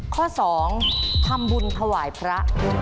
ข้อ๒ทำบุญถวายพระ